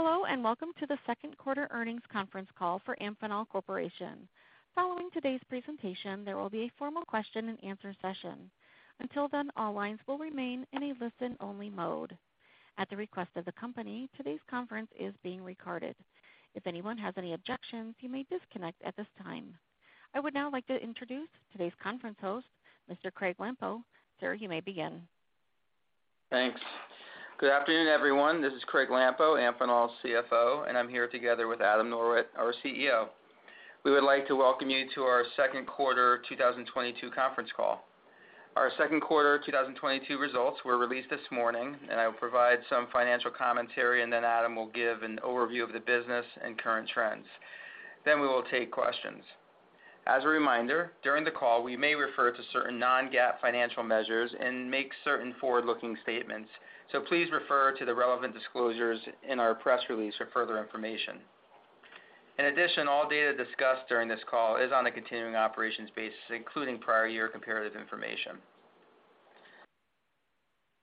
Hello, and welcome to the Second Quarter Earnings Conference Call for Amphenol Corporation. Following today's presentation, there will be a formal question-and-answer session. Until then, all lines will remain in a listen-only mode. At the request of the company, today's conference is being recorded. If anyone has any objections, you may disconnect at this time. I would now like to introduce today's conference host, Mr. Craig Lampo. Sir, you may begin. Thanks. Good afternoon, everyone. This is Craig Lampo, Amphenol's CFO, and I'm here together with Adam Norwitt, our CEO. We would like to welcome you to our Second Quarter 2022 Conference Call. Our second quarter 2022 results were released this morning, and I will provide some financial commentary, and then Adam will give an overview of the business and current trends. Then we will take questions. As a reminder, during the call, we may refer to certain non-GAAP financial measures and make certain forward-looking statements, so please refer to the relevant disclosures in our press release for further information. In addition, all data discussed during this call is on a continuing operations basis, including prior year comparative information.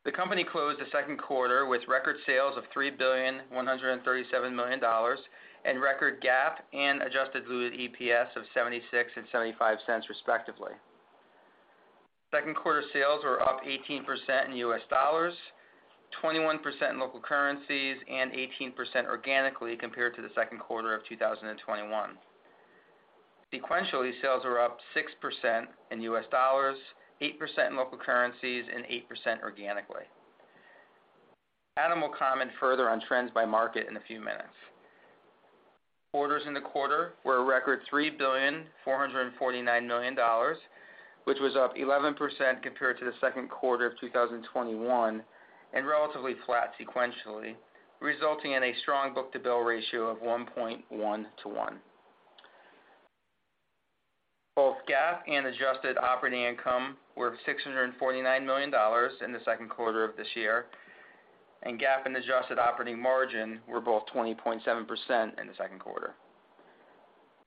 The company closed the second quarter with record sales of $3.137 billion and record GAAP and adjusted diluted EPS of $0.76 and $0.75, respectively. Second quarter sales were up 18% in U.S. dollars, 21% in local currencies, and 18% organically compared to the second quarter of 2021. Sequentially, sales are up 6% in U.S. dollars, 8% in local currencies, and 8% organically. Adam will comment further on trends by market in a few minutes. Orders in the quarter were a record $3.449 billion, which was up 11% compared to the second quarter of 2021, and relatively flat sequentially, resulting in a strong book-to-bill ratio of 1.1 to 1. Both GAAP and adjusted operating income were $649 million in the second quarter of this year, and GAAP and adjusted operating margin were both 20.7% in the second quarter.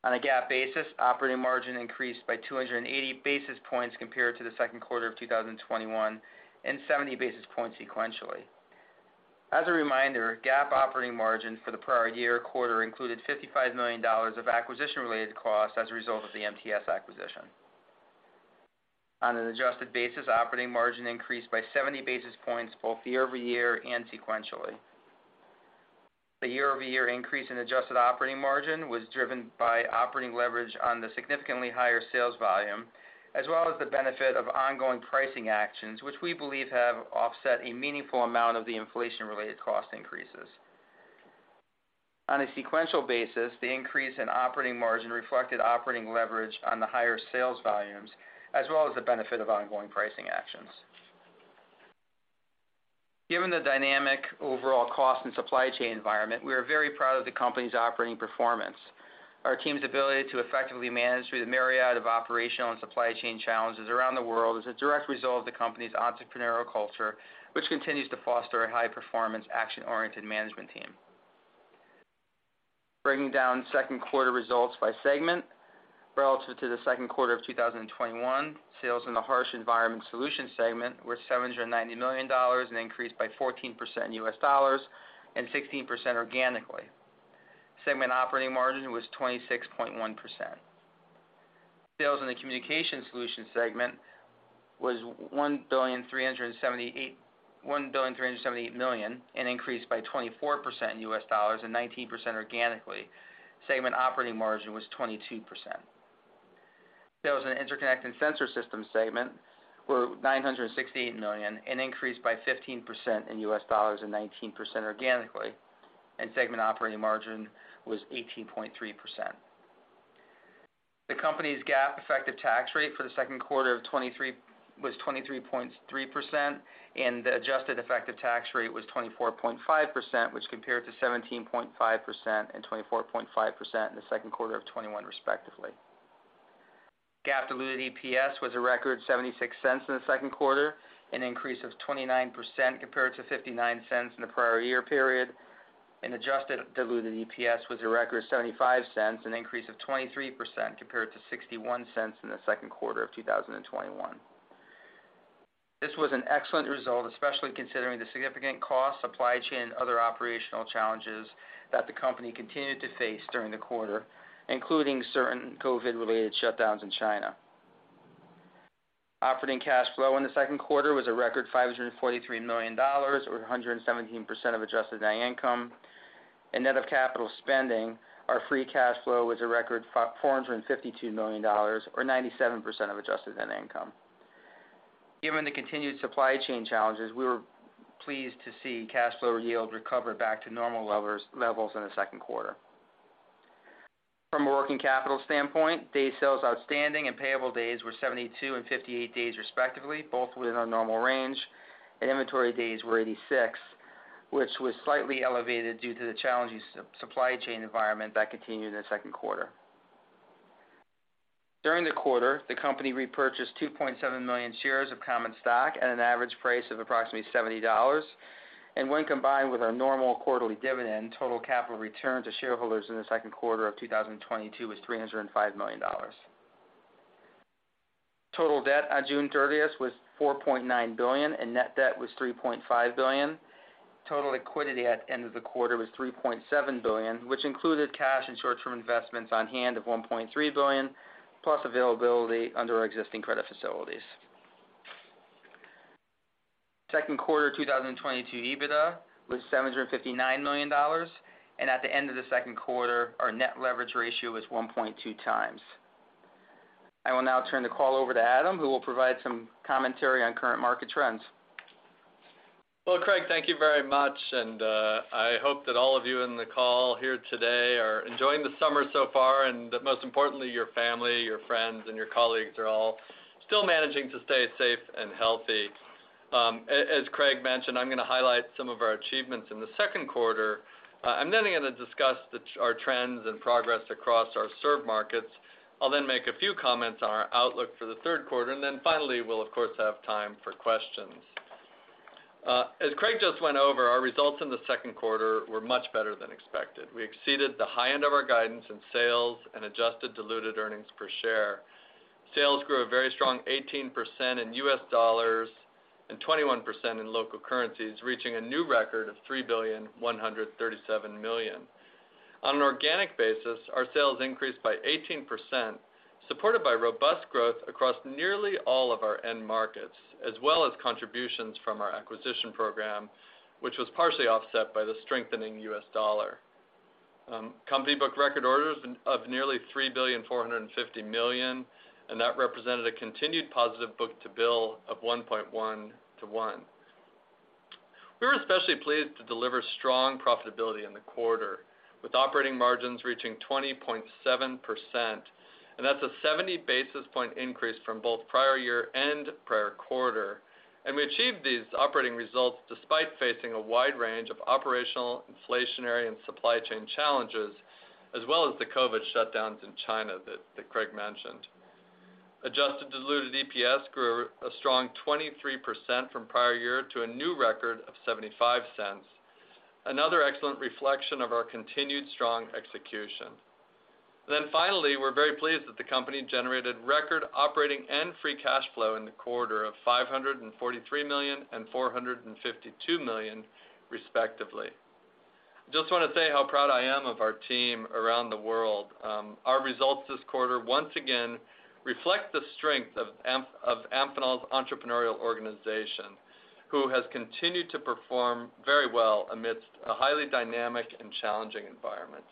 On a GAAP basis, operating margin increased by 280 basis points compared to the second quarter of 2021, and 70 basis points sequentially. As a reminder, GAAP operating margin for the prior year quarter included $55 million of acquisition-related costs as a result of the MTS acquisition. On an adjusted basis, operating margin increased by 70 basis points both year-over-year and sequentially. The year-over-year increase in adjusted operating margin was driven by operating leverage on the significantly higher sales volume, as well as the benefit of ongoing pricing actions, which we believe have offset a meaningful amount of the inflation-related cost increases. On a sequential basis, the increase in operating margin reflected operating leverage on the higher sales volumes, as well as the benefit of ongoing pricing actions. Given the dynamic overall cost and supply chain environment, we are very proud of the company's operating performance. Our team's ability to effectively manage through the myriad of operational and supply chain challenges around the world is a direct result of the company's entrepreneurial culture, which continues to foster a high-performance, action-oriented management team. Breaking down second quarter results by segment. Relative to the second quarter of 2021, sales in the Harsh Environment Solutions segment were $790 million, an increase by 14% U.S. dollars and 16% organically. Segment operating margin was 26.1%. Sales in the Communications Solutions segment was $1,378,000,000, an increase by 24% in US dollars and 19% organically. Segment operating margin was 22%. Sales in the Interconnect and Sensor Systems segment were $968 million, an increase by 15% in US dollars and 19% organically, and segment operating margin was 18.3%. The company's GAAP effective tax rate for the second quarter of- was 23.3%, and the adjusted effective tax rate was 24.5%, which compared to 17.5% and 24.5% in the second quarter of 2021, respectively. GAAP diluted EPS was a record $0.76 in the second quarter, an increase of 29% compared to $0.59 in the prior year period, and adjusted diluted EPS was a record $0.75, an increase of 23% compared to $0.61 in the second quarter of 2021. This was an excellent result, especially considering the significant cost, supply chain, and other operational challenges that the company continued to face during the quarter, including certain COVID-related shutdowns in China. Operating cash flow in the second quarter was a record $543 million, or 117% of adjusted net income. Net of capital spending, our free cash flow was a record $452 million, or 97% of adjusted net income. Given the continued supply chain challenges, we were pleased to see cash flow yield recover back to normal levels in the second quarter. From a working capital standpoint, day sales outstanding and payable days were 72 and 58 days, respectively, both within our normal range, and inventory days were 86, which was slightly elevated due to the challenging supply chain environment that continued in the second quarter. During the quarter, the company repurchased 2.7 million shares of common stock at an average price of approximately $70. When combined with our normal quarterly dividend, total capital return to shareholders in the second quarter of 2022 was $305 million. Total debt on June 30th was $4.9 billion, and net debt was $3.5 billion. Total liquidity at the end of the quarter was $3.7 billion, which included cash and short-term investments on hand of $1.3 billion, plus availability under our existing credit facilities. Second quarter 2022 EBITDA was $759 million, and at the end of the second quarter, our net leverage ratio was 1.2 times. I will now turn the call over to Adam, who will provide some commentary on current market trends. Well, Craig, thank you very much, and I hope that all of you on the call here today are enjoying the summer so far, and that most importantly, your family, your friends, and your colleagues are all still managing to stay safe and healthy. As Craig mentioned, I'm gonna highlight some of our achievements in the second quarter. I'm then gonna discuss our trends and progress across our served markets. I'll then make a few comments on our outlook for the third quarter, and then finally, we'll of course have time for questions. As Craig just went over, our results in the second quarter were much better than expected. We exceeded the high end of our guidance in sales and adjusted diluted earnings per share. Sales grew a very strong 18% in U.S. dollars, and 21% in local currencies, reaching a new record of $3,137,000,000. On an organic basis, our sales increased by 18%, supported by robust growth across nearly all of our end markets, as well as contributions from our acquisition program, which was partially offset by the strengthening U.S. dollar. Company booked record orders of nearly $3,450,000,000, and that represented a continued positive book-to-bill of 1.1 to 1. We were especially pleased to deliver strong profitability in the quarter, with operating margins reaching 20.7%, and that's a 70 basis point increase from both prior year and prior quarter. We achieved these operating results despite facing a wide range of operational, inflationary, and supply chain challenges, as well as the COVID shutdowns in China that Craig mentioned. Adjusted diluted EPS grew a strong 23% from prior year to a new record of $0.75. Another excellent reflection of our continued strong execution. Finally, we're very pleased that the company generated record operating and free cash flow in the quarter of $543 million and $452 million, respectively. Just wanna say how proud I am of our team around the world. Our results this quarter once again reflect the strength of Amphenol's entrepreneurial organization, who has continued to perform very well amidst a highly dynamic and challenging environment.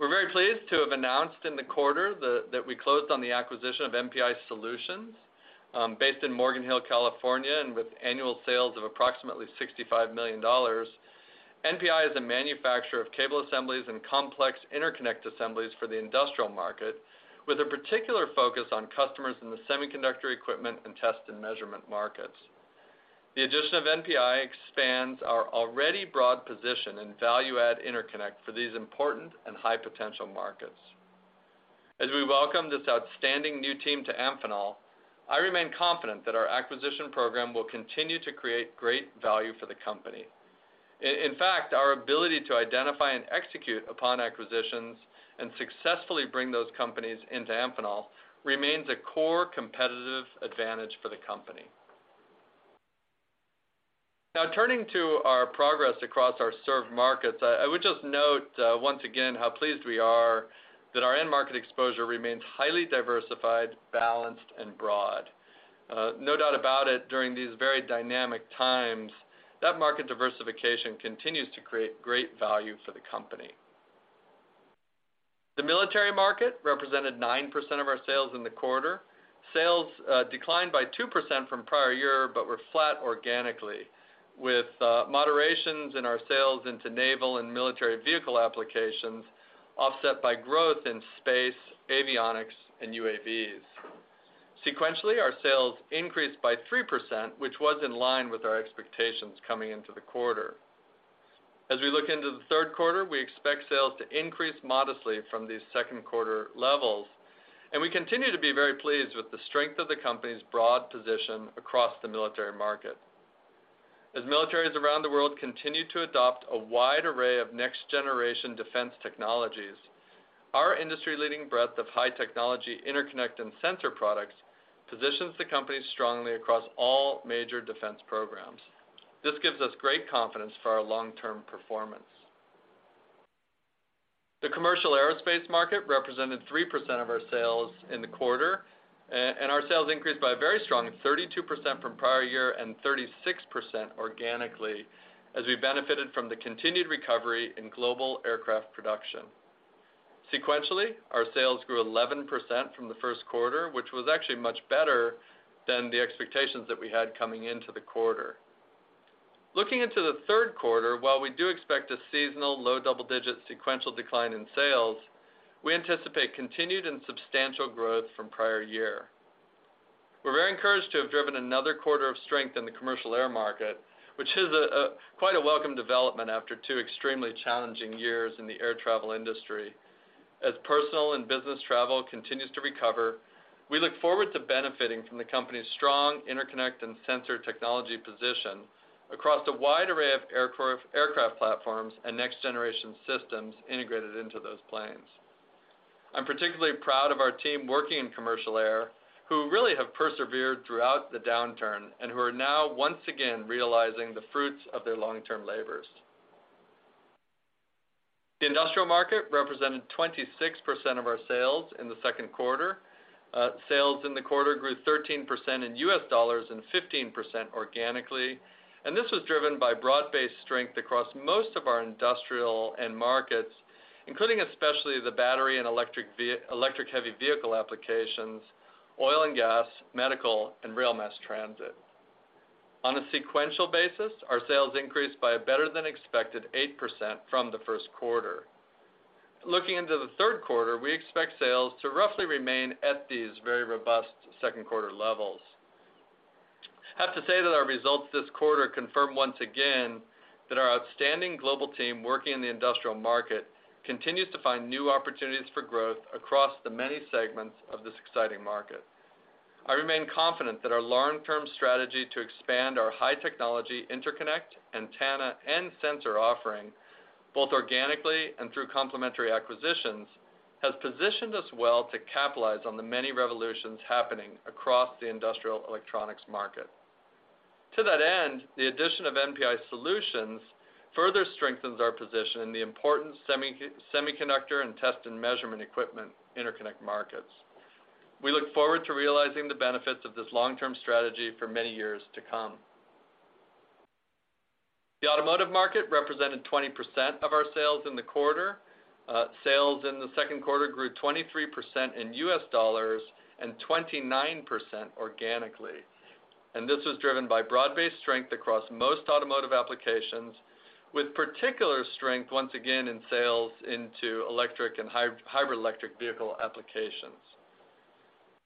We're very pleased to have announced in the quarter that we closed on the acquisition of NPI Solutions, based in Morgan Hill, California, and with annual sales of approximately $65 million. NPI is a manufacturer of cable assemblies and complex interconnect assemblies for the Industrial market, with a particular focus on customers in the semiconductor equipment and test and measurement markets. The addition of NPI expands our already broad position in value add interconnect for these important and high potential markets. As we welcome this outstanding new team to Amphenol, I remain confident that our acquisition program will continue to create great value for the company. In fact, our ability to identify and execute upon acquisitions and successfully bring those companies into Amphenol remains a core competitive advantage for the company. Now turning to our progress across our served markets, I would just note once again how pleased we are that our end market exposure remains highly diversified, balanced, and broad. No doubt about it, during these very dynamic times, that market diversification continues to create great value for the company. The military market represented 9% of our sales in the quarter. Sales declined by 2% from prior year, but were flat organically, with moderations in our sales into naval and military vehicle applications offset by growth in space, avionics, and UAVs. Sequentially, our sales increased by 3%, which was in line with our expectations coming into the quarter. As we look into the third quarter, we expect sales to increase modestly from these second quarter levels, and we continue to be very pleased with the strength of the company's broad position across the military market. As militaries around the world continue to adopt a wide array of next generation defense technologies, our industry-leading breadth of high technology interconnect and sensor products positions the company strongly across all major defense programs. This gives us great confidence for our long-term performance. The Commercial Aerospace market represented 3% of our sales in the quarter, and our sales increased by a very strong 32% from prior year and 36% organically, as we benefited from the continued recovery in global aircraft production. Sequentially, our sales grew 11% from the first quarter, which was actually much better than the expectations that we had coming into the quarter. Looking into the third quarter, while we do expect a seasonal low double-digit sequential decline in sales, we anticipate continued and substantial growth from prior year. We're very encouraged to have driven another quarter of strength in the commercial air market, which is quite a welcome development after two extremely challenging years in the air travel industry. As personal and business travel continues to recover, we look forward to benefiting from the company's strong Interconnect and Sensor Technology position across a wide array of aircraft platforms and next generation systems integrated into those planes. I'm particularly proud of our team working in commercial air, who really have persevered throughout the downturn and who are now once again realizing the fruits of their long-term labors. The Industrial market represented 26% of our sales in the second quarter. Sales in the quarter grew 13% in U.S. dollars and 15% organically. This was driven by broad-based strength across most of our Industrial end markets, including especially the battery and electric heavy vehicle applications, oil and gas, medical, and rail mass transit. On a sequential basis, our sales increased by a better-than-expected 8% from the first quarter. Looking into the third quarter, we expect sales to roughly remain at these very robust second quarter levels. I have to say that our results this quarter confirm once again that our outstanding global team working in the Industrial market continues to find new opportunities for growth across the many segments of this exciting market. I remain confident that our long-term strategy to expand our high-technology interconnect, antenna, and sensor offering, both organically and through complementary acquisitions, has positioned us well to capitalize on the many revolutions happening across the Industrial electronics market. To that end, the addition of NPI Solutions further strengthens our position in the important semiconductor and test and measurement equipment interconnect markets. We look forward to realizing the benefits of this long-term strategy for many years to come. The automotive market represented 20% of our sales in the quarter. Sales in the second quarter grew 23% in U.S. dollars and 29% organically. This was driven by broad-based strength across most automotive applications with particular strength, once again, in sales into electric and hybrid electric vehicle applications.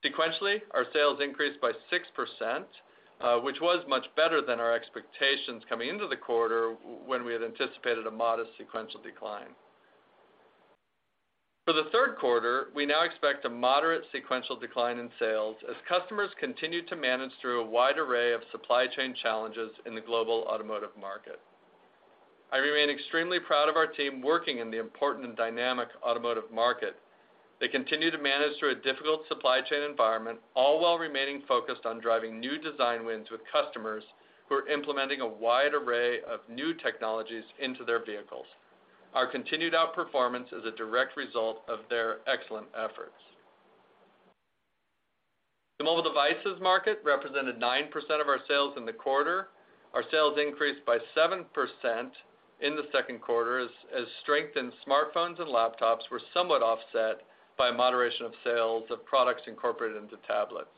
Sequentially, our sales increased by 6%, which was much better than our expectations coming into the quarter when we had anticipated a modest sequential decline. For the third quarter, we now expect a moderate sequential decline in sales as customers continue to manage through a wide array of supply chain challenges in the global automotive market. I remain extremely proud of our team working in the important and dynamic automotive market. They continue to manage through a difficult supply chain environment, all while remaining focused on driving new design wins with customers who are implementing a wide array of new technologies into their vehicles. Our continued outperformance is a direct result of their excellent efforts. The mobile devices market represented 9% of our sales in the quarter. Our sales increased by 7% in the second quarter as strength in smartphones and laptops were somewhat offset by a moderation of sales of products incorporated into tablets.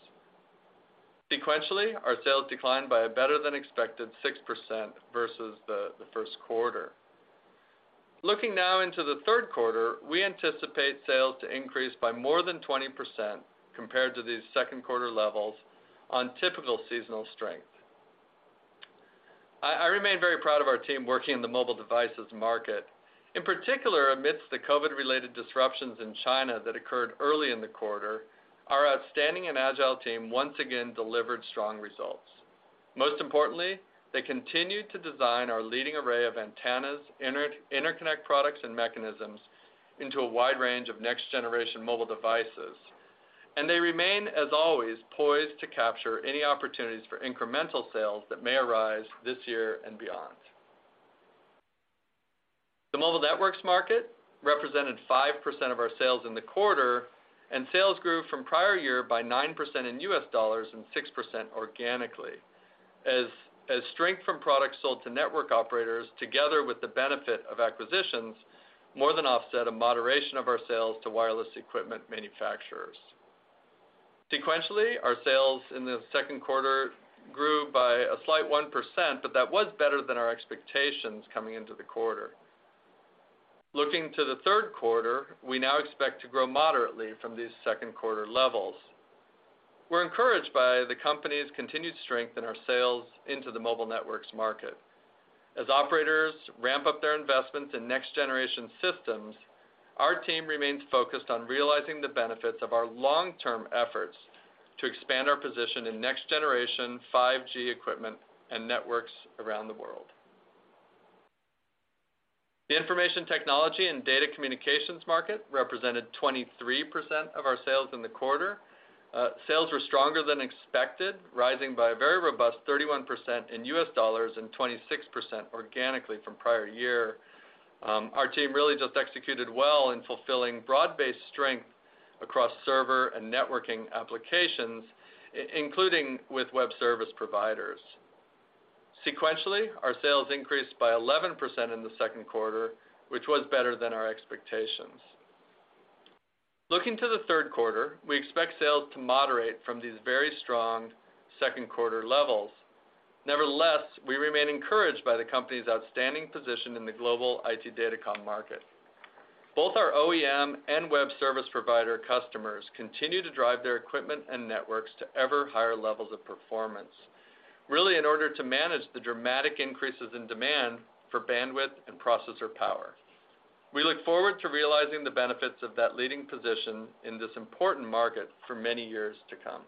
Sequentially, our sales declined by a better-than-expected 6% versus the first quarter. Looking now into the third quarter, we anticipate sales to increase by more than 20% compared to these second quarter levels on typical seasonal strength. I remain very proud of our team working in the mobile devices market. In particular, amidst the COVID-related disruptions in China that occurred early in the quarter, our outstanding and agile team once again delivered strong results. Most importantly, they continued to design our leading array of antennas, interconnect products and mechanisms into a wide range of next-generation mobile devices, and they remain, as always, poised to capture any opportunities for incremental sales that may arise this year and beyond. The mobile networks market represented 5% of our sales in the quarter, and sales grew from prior year by 9% in U.S. dollars and 6% organically, as strength from products sold to network operators together with the benefit of acquisitions more than offset a moderation of our sales to wireless equipment manufacturers. Sequentially, our sales in the second quarter grew by a slight 1%, but that was better than our expectations coming into the quarter. Looking to the third quarter, we now expect to grow moderately from these second quarter levels. We're encouraged by the company's continued strength in our sales into the mobile networks market. As operators ramp up their investments in next-generation systems, our team remains focused on realizing the benefits of our long-term efforts to expand our position in next-generation 5G equipment and networks around the world. The information technology and data communications market represented 23% of our sales in the quarter. Sales were stronger than expected, rising by a very robust 31% in U.S. dollars and 26% organically from prior year. Our team really just executed well in fulfilling broad-based strength across server and networking applications, including with web service providers. Sequentially, our sales increased by 11% in the second quarter, which was better than our expectations. Looking to the third quarter, we expect sales to moderate from these very strong second quarter levels. Nevertheless, we remain encouraged by the company's outstanding position in the global IT Datacom market. Both our OEM and web service provider customers continue to drive their equipment and networks to ever higher levels of performance, really in order to manage the dramatic increases in demand for bandwidth and processor power. We look forward to realizing the benefits of that leading position in this important market for many years to come.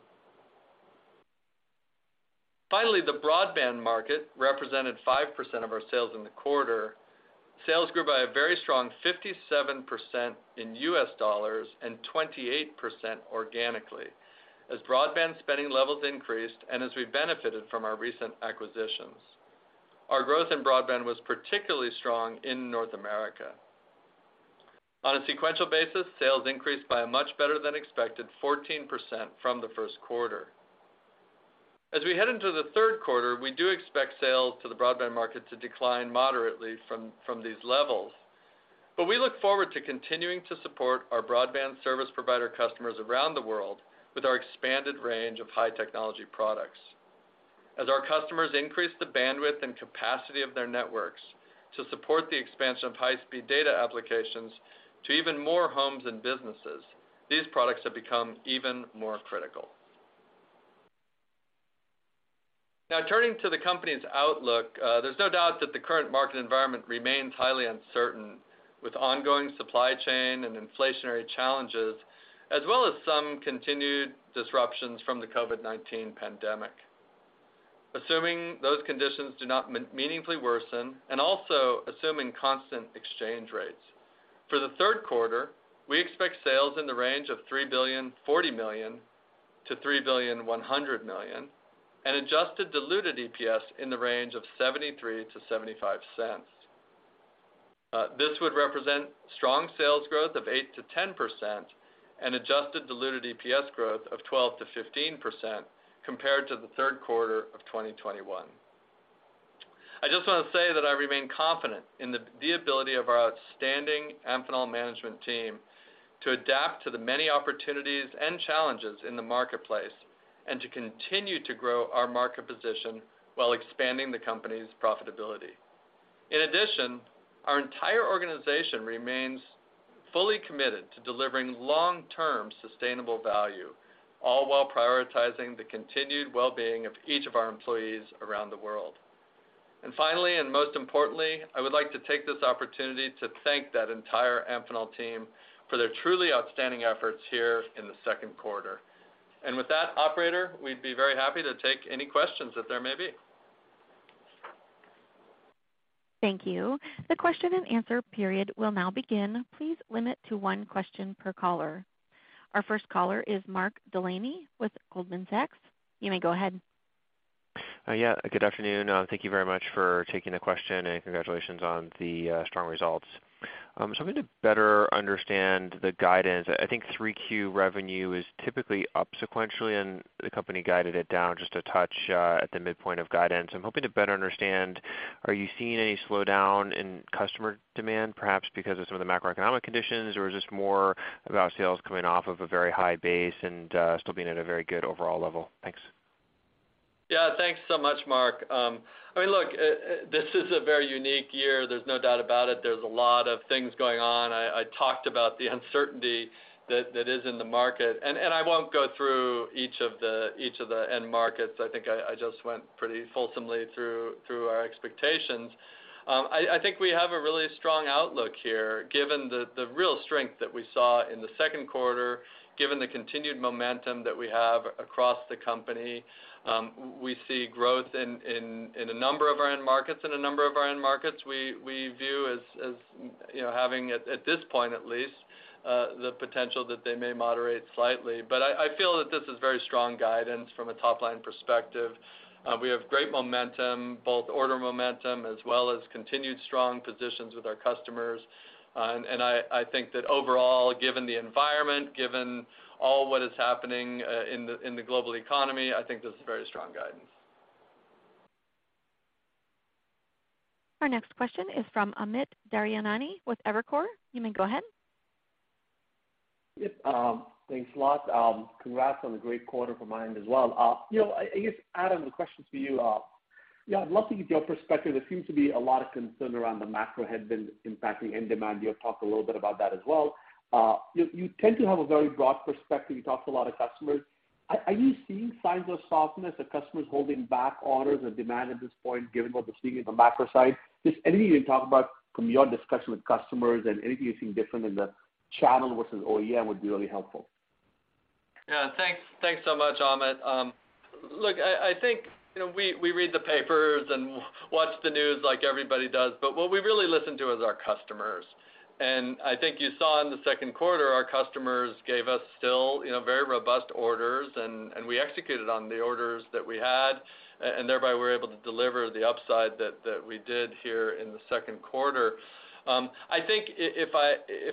Finally, the broadband market represented 5% of our sales in the quarter. Sales grew by a very strong 57% in U.S. dollars and 28% organically as broadband spending levels increased and as we benefited from our recent acquisitions. Our growth in broadband was particularly strong in North America. On a sequential basis, sales increased by a much better than expected 14% from the first quarter. As we head into the third quarter, we do expect sales to the broadband market to decline moderately from these levels. We look forward to continuing to support our broadband service provider customers around the world with our expanded range of high technology products. As our customers increase the bandwidth and capacity of their networks to support the expansion of high-speed data applications to even more homes and businesses, these products have become even more critical. Now turning to the company's outlook, there's no doubt that the current market environment remains highly uncertain with ongoing supply chain and inflationary challenges, as well as some continued disruptions from the COVID-19 pandemic. Assuming those conditions do not meaningfully worsen, and also assuming constant exchange rates. For the third quarter, we expect sales in the range of $3,040,000,000-$3,100,000,000, and adjusted diluted EPS in the range of $0.73-$0.75. This would represent strong sales growth of 8%-10% and adjusted diluted EPS growth of 12%-15% compared to the third quarter of 2021. I just wanna say that I remain confident in the ability of our outstanding Amphenol management team to adapt to the many opportunities and challenges in the marketplace and to continue to grow our market position while expanding the company's profitability. In addition, our entire organization remains fully committed to delivering long-term sustainable value, all while prioritizing the continued well-being of each of our employees around the world. Finally, and most importantly, I would like to take this opportunity to thank that entire Amphenol team for their truly outstanding efforts here in the second quarter. With that, operator, we'd be very happy to take any questions that there may be. Thank you. The question and answer period will now begin. Please limit to one question per caller. Our first caller is Mark Delaney with Goldman Sachs. You may go ahead. Yeah, good afternoon. Thank you very much for taking the question, and congratulations on the strong results. I'm gonna better understand the guidance. I think Q3 revenue is typically up sequentially, and the company guided it down just a touch at the midpoint of guidance. I'm hoping to better understand, are you seeing any slowdown in customer demand, perhaps because of some of the macroeconomic conditions, or is this more about sales coming off of a very high base and still being at a very good overall level? Thanks. Yeah, thanks so much, Mark. I mean, look, this is a very unique year, there's no doubt about it. There's a lot of things going on. I talked about the uncertainty that is in the market, and I won't go through each of the end markets. I think I just went pretty fulsomely through our expectations. I think we have a really strong outlook here, given the real strength that we saw in the second quarter, given the continued momentum that we have across the company. We see growth in a number of our end markets. In a number of our end markets, we view as you know, having at this point at least, the potential that they may moderate slightly. I feel that this is very strong guidance from a top-line perspective. We have great momentum, both order momentum as well as continued strong positions with our customers. I think that overall, given the environment, given all what is happening, in the global economy, I think this is very strong guidance. Our next question is from Amit Daryanani with Evercore. You may go ahead. Yep, thanks a lot. Congrats on the great quarter from my end as well. You know, I guess, Adam, the question's for you. Yeah, I'd love to get your perspective. There seems to be a lot of concern around the macro headwind impacting end demand. You have talked a little bit about that as well. You tend to have a very broad perspective. You talk to a lot of customers. Are you seeing signs of softness or customers holding back orders and demand at this point given what we're seeing in the macro side? Just anything you can talk about from your discussion with customers and anything you're seeing different in the channel versus OEM would be really helpful. Yeah. Thanks so much, Amit. Look, I think, you know, we read the papers and watch the news like everybody does, but what we really listen to is our customers. I think you saw in the second quarter, our customers gave us still, you know, very robust orders and we executed on the orders that we had, and thereby we're able to deliver the upside that we did here in the second quarter. I think if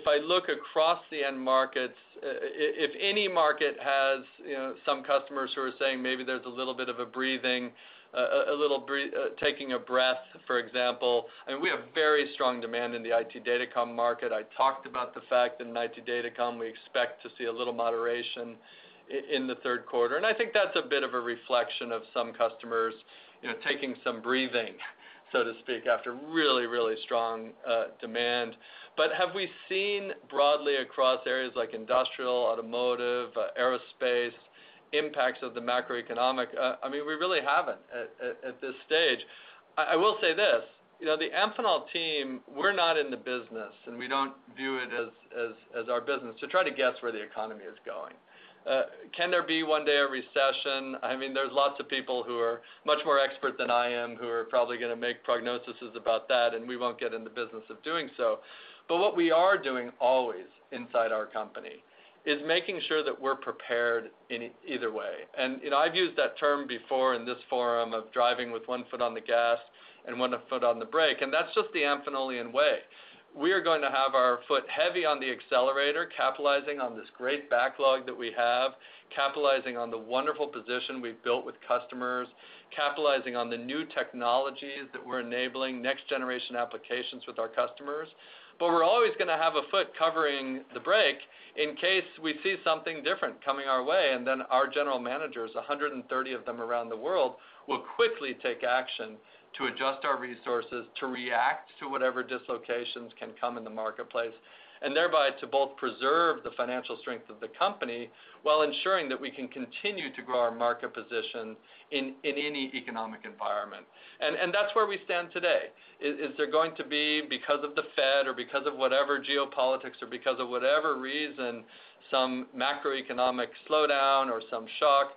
I look across the end markets, if any market has, you know, some customers who are saying maybe there's a little bit of taking a breath, for example. I mean, we have very strong demand in the IT Datacom market. I talked about the fact in IT Datacom, we expect to see a little moderation in the third quarter. I think that's a bit of a reflection of some customers, you know, taking some breathing, so to speak, after really, really strong demand. Have we seen broadly across areas like Industrial, automotive, aerospace, impacts of the macroeconomic? I mean, we really haven't at this stage. I will say this, you know, the Amphenol team, we're not in the business, and we don't view it as our business to try to guess where the economy is going. Can there be one day a recession? I mean, there's lots of people who are much more expert than I am, who are probably gonna make prognoses about that, and we won't get in the business of doing so. What we are doing always inside our company is making sure that we're prepared in either way. You know, I've used that term before in this forum of driving with one foot on the gas and one foot on the brake, and that's just the Amphenolian way. We are going to have our foot heavy on the accelerator, capitalizing on this great backlog that we have, capitalizing on the wonderful position we've built with customers, capitalizing on the new technologies that we're enabling, next generation applications with our customers. We're always gonna have a foot covering the brake in case we see something different coming our way, and then our general managers, 130 of them around the world, will quickly take action to adjust our resources, to react to whatever dislocations can come in the marketplace, and thereby to both preserve the financial strength of the company while ensuring that we can continue to grow our market position in any economic environment. That's where we stand today. Is there going to be, because of the Fed or because of whatever geopolitics or because of whatever reason, some macroeconomic slowdown or some shock?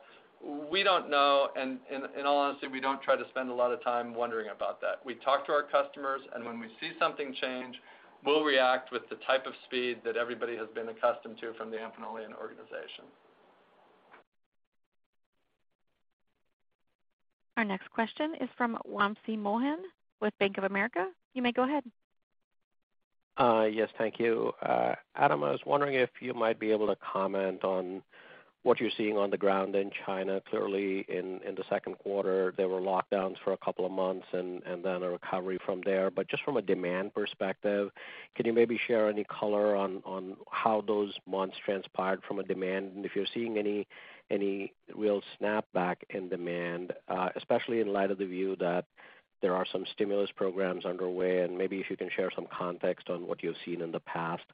We don't know. In all honesty, we don't try to spend a lot of time wondering about that. We talk to our customers, and when we see something change, we'll react with the type of speed that everybody has been accustomed to from the Amphenolian organization. Our next question is from Wamsi Mohan with Bank of America. You may go ahead. Yes, thank you. Adam, I was wondering if you might be able to comment on what you're seeing on the ground in China. Clearly, in the second quarter, there were lockdowns for a couple of months and then a recovery from there. But just from a demand perspective, can you maybe share any color on how those months transpired from a demand? If you're seeing any real snapback in demand, especially in light of the view that there are some stimulus programs underway, and maybe if you can share some context on what you've seen in the past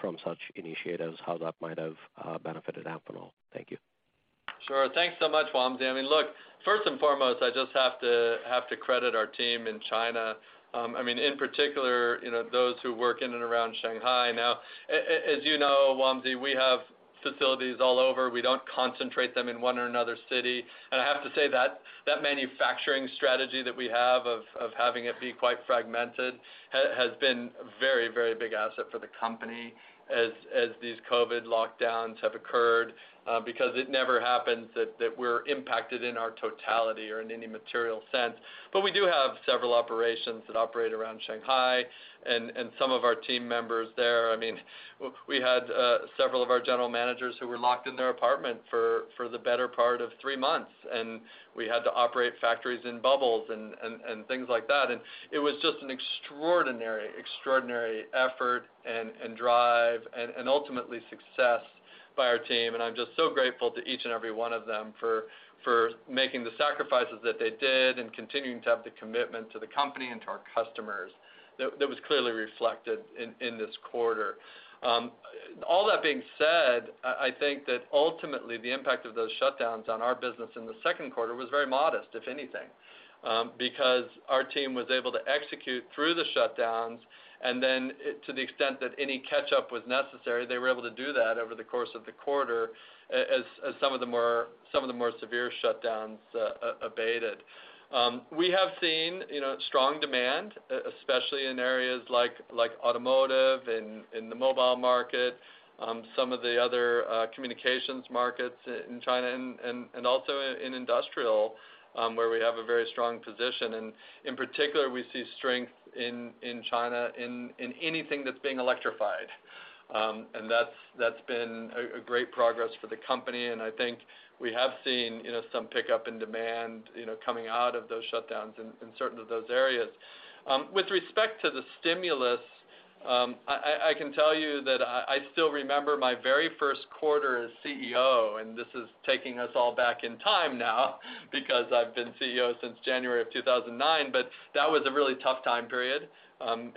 from such initiatives, how that might have benefited Amphenol. Thank you. Sure. Thanks so much, Wamsi. I mean, look, first and foremost, I just have to credit our team in China, I mean, in particular, you know, those who work in and around Shanghai. Now, as you know, Wamsi, we have facilities all over. We don't concentrate them in one or another city. I have to say that that manufacturing strategy that we have of having it be quite fragmented has been very big asset for the company as these COVID lockdowns have occurred, because it never happens that we're impacted in our totality or in any material sense. We do have several operations that operate around Shanghai and some of our team members there. I mean, we had several of our general managers who were locked in their apartment for the better part of three months, and we had to operate factories in bubbles and things like that. It was just an extraordinary effort and drive and ultimately success by our team. I'm just so grateful to each and every one of them for making the sacrifices that they did and continuing to have the commitment to the company and to our customers that was clearly reflected in this quarter. All that being said, I think that ultimately, the impact of those shutdowns on our business in the second quarter was very modest, if anything, because our team was able to execute through the shutdowns, and then to the extent that any catch-up was necessary, they were able to do that over the course of the quarter as some of the more severe shutdowns abated. We have seen, you know, strong demand, especially in areas like automotive, in the mobile market, some of the other communications markets in China and also in Industrial, where we have a very strong position. In particular, we see strength in China in anything that's being electrified. That's been a great progress for the company, and I think we have seen, you know, some pickup in demand, you know, coming out of those shutdowns in certain of those areas. With respect to the stimulus, I can tell you that I still remember my very first quarter as CEO, and this is taking us all back in time now because I've been CEO since January 2009, but that was a really tough time period.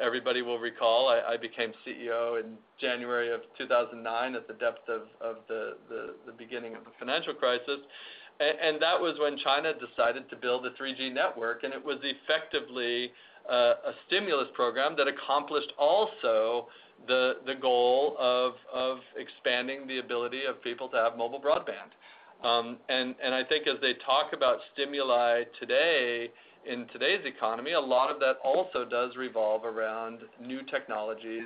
Everybody will recall, I became CEO in January 2009 at the depth of the beginning of the financial crisis. That was when China decided to build a 3G network, and it was effectively a stimulus program that accomplished also the goal of expanding the ability of people to have mobile broadband. I think as they talk about stimuli today in today's economy, a lot of that also does revolve around new technologies,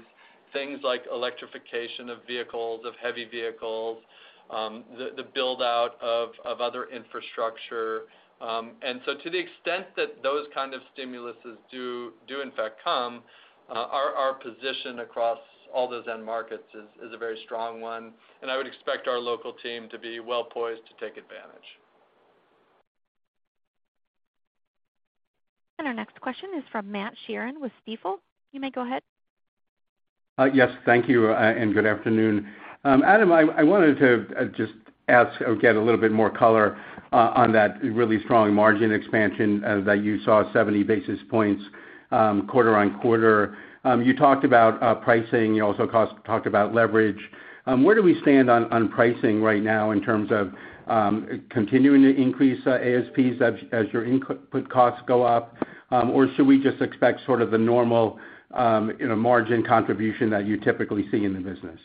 things like electrification of vehicles, of heavy vehicles, the build-out of other infrastructure. To the extent that those kind of stimuluses do in fact come, our position across all those end markets is a very strong one, and I would expect our local team to be well-poised to take advantage. Our next question is from Matt Sheerin with Stifel. You may go ahead. Yes, thank you, and good afternoon. Adam, I wanted to just ask or get a little bit more color on that really strong margin expansion that you saw 70 basis points quarter-on-quarter. You talked about pricing. You also talked about leverage. Where do we stand on pricing right now in terms of continuing to increase ASPs as your input costs go up? Or should we just expect sort of the normal, you know, margin contribution that you typically see in the business?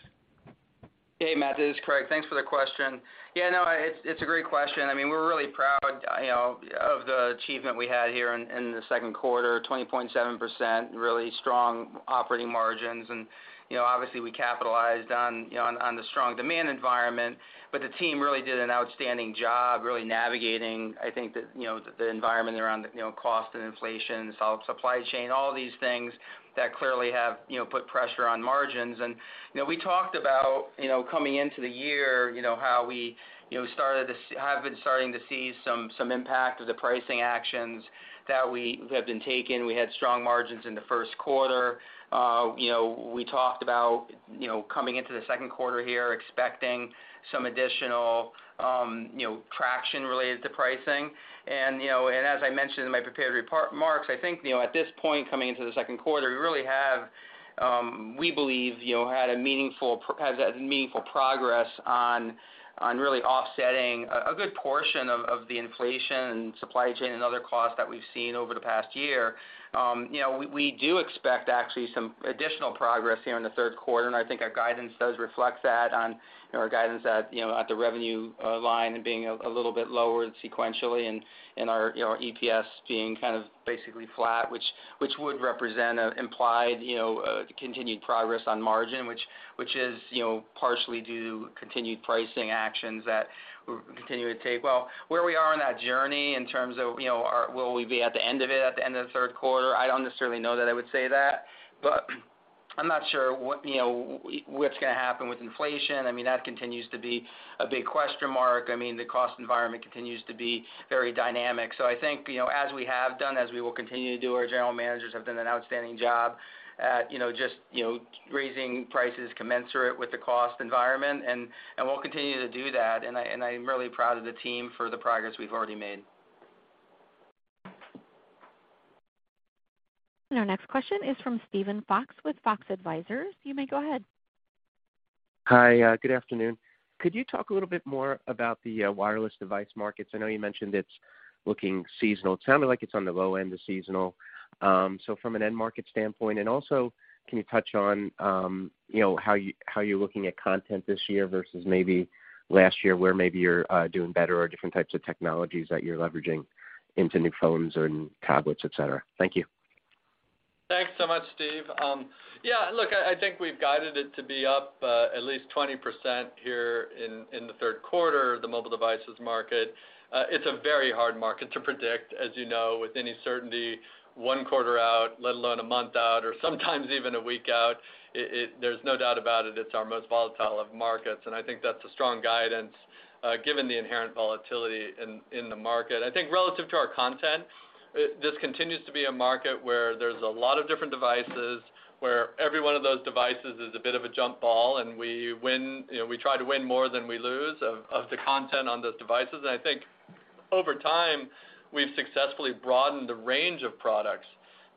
Hey, Matt, this is Craig. Thanks for the question. Yeah, no, it's a great question. I mean, we're really proud, you know, of the achievement we had here in the second quarter, 20.7%, really strong operating margins. You know, obviously, we capitalized on, you know, on the strong demand environment. The team really did an outstanding job really navigating, I think the, you know, the environment around, you know, cost and inflation, so, supply chain, all these things that clearly have, you know, put pressure on margins. You know, we talked about, you know, coming into the year, you know, how we, you know, have been starting to see some impact of the pricing actions that we have been taking. We had strong margins in the first quarter. You know, we talked about, you know, coming into the second quarter here, expecting some additional, you know, traction related to pricing. You know, as I mentioned in my prepared remarks, I think, you know, at this point, coming into the second quarter, we really have, we believe, you know, has made meaningful progress on really offsetting a good portion of the inflation and supply chain and other costs that we've seen over the past year. You know, we do expect actually some additional progress here in the third quarter, and I think our guidance does reflect that on our guidance at, you know, at the revenue line and being a little bit lower sequentially and our, you know, our EPS being kind of basically flat, which would represent an implied, you know, continued progress on margin, which is, you know, partially due to continued pricing actions that we're continuing to take. Well, where we are on that journey in terms of, you know, will we be at the end of it at the end of the third quarter? I don't necessarily know that I would say that, but I'm not sure what, you know, what's gonna happen with inflation. I mean, that continues to be a big question mark. I mean, the cost environment continues to be very dynamic. I think, you know, as we have done, as we will continue to do, our general managers have done an outstanding job at, you know, just, you know, raising prices commensurate with the cost environment, and we'll continue to do that. I'm really proud of the team for the progress we've already made. Our next question is from Steven Fox with Fox Advisors. You may go ahead. Hi. Good afternoon. Could you talk a little bit more about the wireless device markets? I know you mentioned it's looking seasonal, it sounded like it's on the low end of seasonal. So from an end market standpoint, and also can you touch on you know, how you, how you're looking at content this year versus maybe last year, where maybe you're doing better or different types of technologies that you're leveraging into new phones and tablets, et cetera? Thank you. Thanks so much, Steve. Yeah, look, I think we've guided it to be up at least 20% here in the third quarter, the mobile devices market. It's a very hard market to predict, as you know, with any certainty one quarter out, let alone a month out or sometimes even a week out. There's no doubt about it's our most volatile of markets, and I think that's a strong guidance given the inherent volatility in the market. I think relative to our content, this continues to be a market where there's a lot of different devices, where every one of those devices is a bit of a jump ball, and we win, you know, we try to win more than we lose of the content on those devices. I think over time, we've successfully broadened the range of products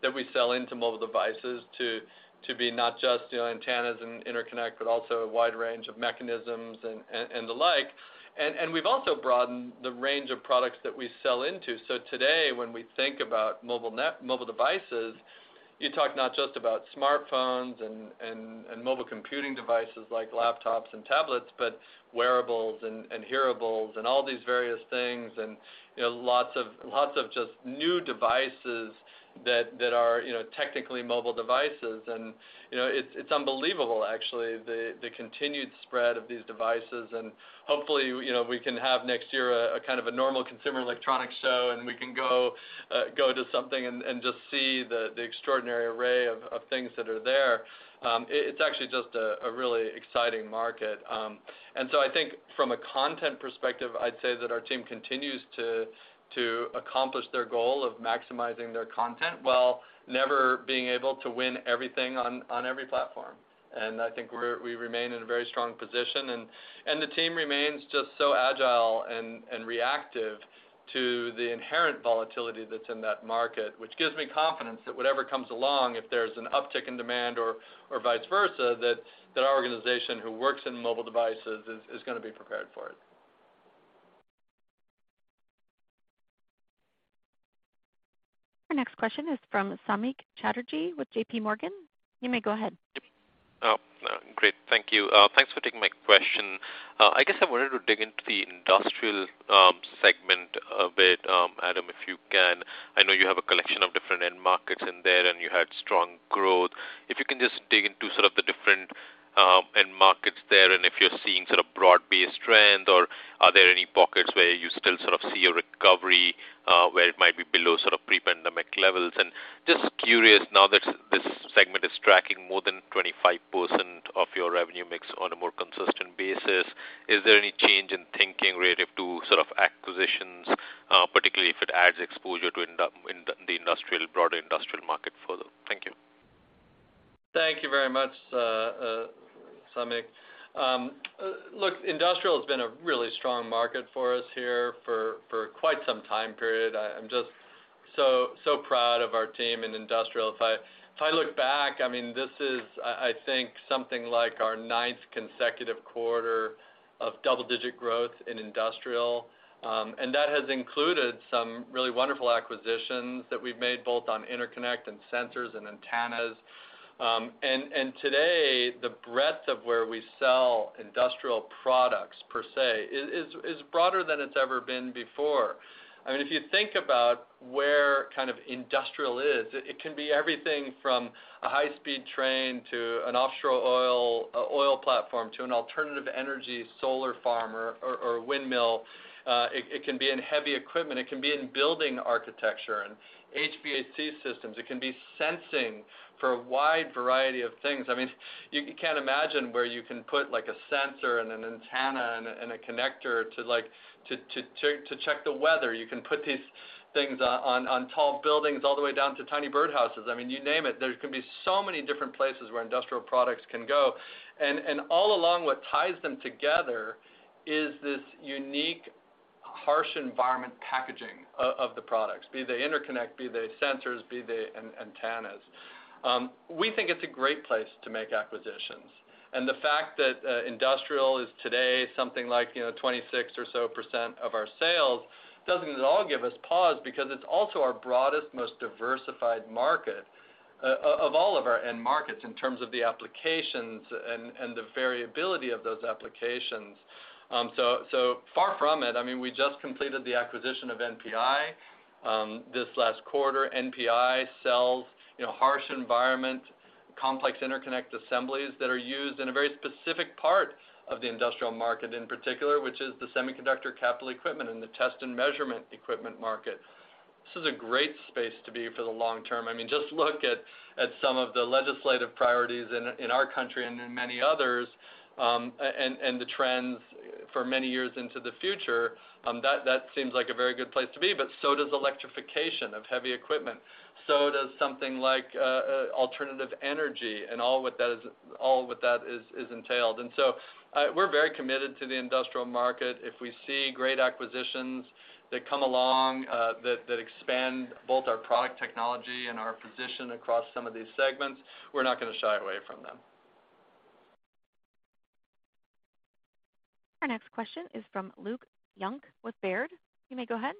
that we sell into mobile devices to be not just, you know, antennas and interconnect, but also a wide range of mechanisms and the like. We've also broadened the range of products that we sell into. Today, when we think about mobile devices, you talk not just about smartphones and mobile computing devices like laptops and tablets, but wearables and hearables and all these various things and, you know, lots of just new devices that are, you know, technically mobile devices. You know, it's unbelievable actually, the continued spread of these devices. Hopefully, you know, we can have next year a kind of normal consumer electronics show, and we can go to something and just see the extraordinary array of things that are there. It's actually just a really exciting market. I think from a content perspective, I'd say that our team continues to accomplish their goal of maximizing their content while never being able to win everything on every platform. I think we remain in a very strong position, and the team remains just so agile and reactive to the inherent volatility that's in that market, which gives me confidence that whatever comes along, if there's an uptick in demand or vice versa, that our organization who works in mobile devices is gonna be prepared for it. Our next question is from Samik Chatterjee with J.P. Morgan. You may go ahead. Oh, great. Thank you. Thanks for taking my question. I guess I wanted to dig into the Industrial segment a bit, Adam, if you can. I know you have a collection of different end markets in there, and you had strong growth. If you can just dig into sort of the different end markets there, and if you're seeing sort of broad-based trend, or are there any pockets where you still sort of see a recovery, where it might be below sort of pre-pandemic levels? Just curious now that this segment is tracking more than 25% of your revenue mix on a more consistent basis, is there any change in thinking relative to sort of acquisitions, particularly if it adds exposure to the Industrial, broader Industrial market further? Thank you very much, Samik. Look, Industrial has been a really strong market for us here for quite some time period. I'm just so proud of our team in Industrial. If I look back, I mean, this is I think something like our ninth consecutive quarter of double-digit growth in Industrial. That has included some really wonderful acquisitions that we've made both on Interconnect and Sensors and Antennas. Today, the breadth of where we sell Industrial products per se is broader than it's ever been before. I mean, if you think about where kind of Industrial is, it can be everything from a high-speed train to an offshore oil platform to an alternative energy solar farm or windmill. It can be in heavy equipment, it can be in building architecture and HVAC systems. It can be sensing for a wide variety of things. I mean, you can't imagine where you can put, like, a sensor and an antenna and a connector to like, to check the weather. You can put these things on tall buildings all the way down to tiny birdhouses. I mean, you name it. There's gonna be so many different places where Industrial products can go. All along, what ties them together is this unique, harsh environment packaging of the products, be they interconnect, be they sensors, be they antennas. We think it's a great place to make acquisitions. The fact that Industrial is today something like, you know, 26% or so of our sales doesn't at all give us pause because it's also our broadest, most diversified market of all of our end markets in terms of the applications and the variability of those applications. So far from it, I mean, we just completed the acquisition of NPI this last quarter. NPI sells, you know, harsh environment, complex interconnect assemblies that are used in a very specific part of the Industrial market, in particular, which is the semiconductor capital equipment and the test and measurement equipment market. This is a great space to be for the long term. I mean, just look at some of the legislative priorities in our country and in many others, and the trends for many years into the future. That seems like a very good place to be, but so does electrification of heavy equipment. So does something like alternative energy and all what that is is entailed. We're very committed to the Industrial market. If we see great acquisitions that come along, that expand both our product technology and our position across some of these segments, we're not gonna shy away from them. Our next question is from Luke Junk with Baird. You may go ahead.